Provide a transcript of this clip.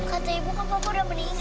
kata ibu kan bapak udah meninggal